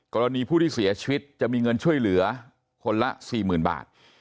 กรณีผู้ที่เสียชีวิตจะมีเงินช่วยเหลือคนละ๔๐๐๐บาท